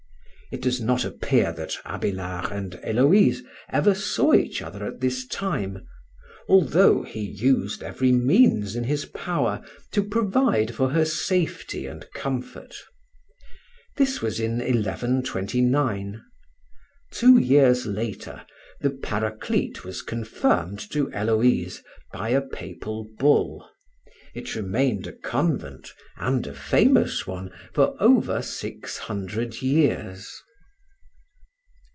It does not appear that Abélard and Héloïse ever saw each other at this time, although he used every means in his power to provide for her safety and comfort. This was in 1129. Two years later the Paraclete was confirmed to Héloïse by a Papal bull. It remained a convent, and a famous one, for over six hundred years.